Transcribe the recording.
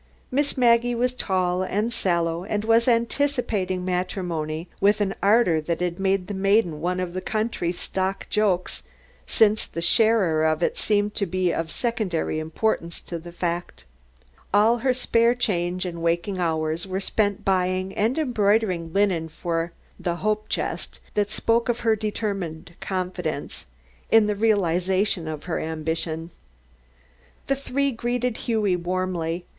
Miss Maggie was tall and sallow and was anticipating matrimony with an ardor that had made the maiden one of the country's stock jokes, since the sharer of it seemed to be of secondary importance to the fact. All her spare change and waking hours were spent buying and embroidering linen for the "hope chest" that spoke of her determined confidence in the realization of her ambition. The three greeted Hughie warmly.